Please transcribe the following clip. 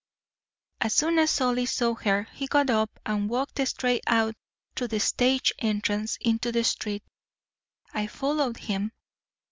"As soon as Solly saw her he got up and walked straight out through the stage entrance into the street. I followed him.